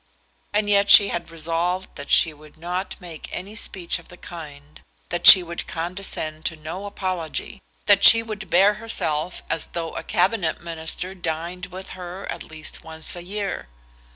And yet she had resolved that she would not make any speech of the kind, that she would condescend to no apology, that she would bear herself as though a Cabinet Minister dined with her at least once a year.